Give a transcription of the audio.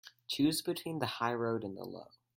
Choose between the high road and the low.